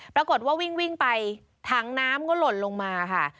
ปรากฏว่าวิ่งไปถังน้ำก็หล่นลงมาค่ะ